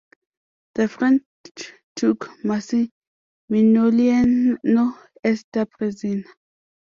The French took Massimiliano as their prisoner.